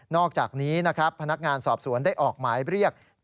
อกจากนี้นะครับพนักงานสอบสวนได้ออกหมายเรียก